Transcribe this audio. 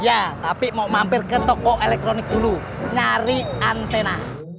ya tapi mau mampir ke toko elektronik dulu nyari antena